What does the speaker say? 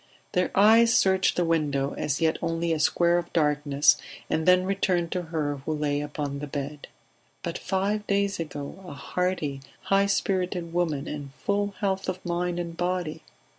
Their eyes searched the window, as yet only a square of darkness, and then returned to her who lay upon the bed ... But five days ago a hearty, high spirited woman, in full health of mind and body